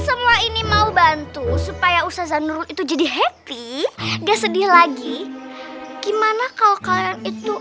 semua ini mau bantu supaya usaza nurul itu jadi happy enggak sedih lagi gimana kalau kalian itu